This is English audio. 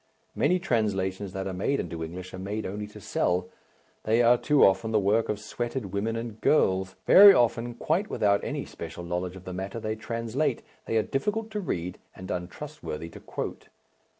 Many translations that are made into English are made only to sell, they are too often the work of sweated women and girls very often quite without any special knowledge of the matter they translate they are difficult to read and untrustworthy to quote.